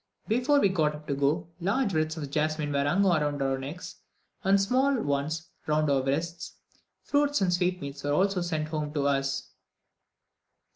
Before we got up to go, large wreaths of jasmine were hung round our necks, and small ones round our wrists. Fruits and sweetmeats were also sent home to us.